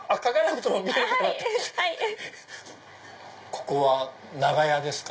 ここは長屋ですか？